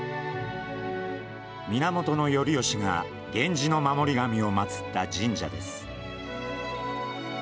源頼義が源氏の守り神を祭った神社です。